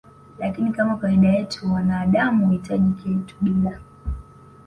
lakini Kama kawaida yetu wanaadamu huhitaji kitu bila